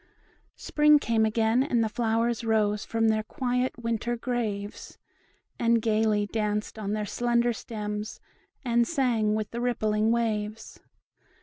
Spring came again, and the flowers rose From their quiet winter graves, And gayly danced on their slender stems, And sang with the rippling waves.